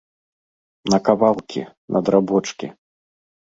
На кавалкі, на драбочкі.